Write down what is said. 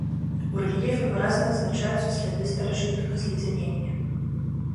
У рэльефе выразна адзначаюцца сляды старажытнага зледзянення.